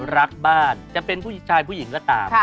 รักบ้านจะเป็นผู้ชายผู้หญิงก็ตาม